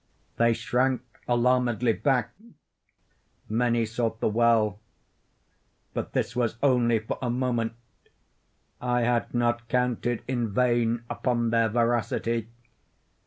They shrank alarmedly back; many sought the well. But this was only for a moment. I had not counted in vain upon their voracity.